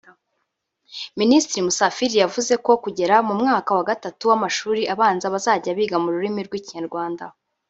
Minisitiri Musafiri yavuze ko kugera mu mwaka wa gatatu w’amashuri abanza bazajya biga mu rurimi rw’Ikinyarwanda